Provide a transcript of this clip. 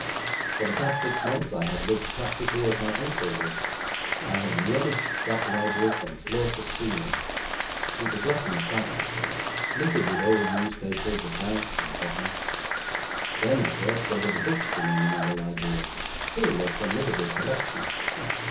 For the past six months I have lived practically as my uncle lived. I have rummaged that library from floor to ceiling. It was left in a frightful state, littered with old newspapers, accounts, and what not. Then, of course, there were the books remaining in the library, still a formidable collection.'